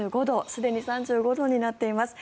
すでに３５度になっています。